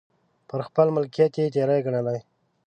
پر خپل ملکیت یې تېری ګڼلی.